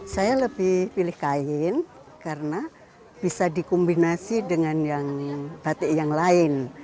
saya lebih pilih kain karena bisa dikombinasi dengan yang batik yang lain